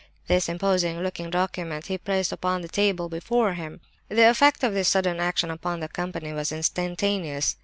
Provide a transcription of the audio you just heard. This imposing looking document he placed upon the table before him. The effect of this sudden action upon the company was instantaneous.